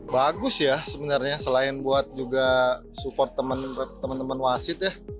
bagus ya sebenarnya selain buat juga support teman teman wasit ya